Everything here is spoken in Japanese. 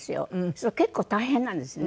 すると結構大変なんですね。